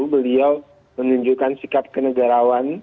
beliau menunjukkan sikap kenegarawan